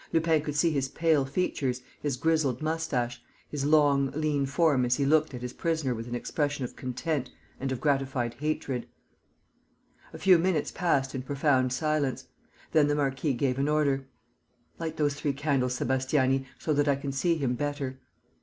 Lupin could see his pale features, his grizzled moustache, his long, lean form as he looked at his prisoner with an expression of content and of gratified hatred. A few minutes passed in profound silence. Then the marquis gave an order: "Light those three candles, Sébastiani, so that I can see him better."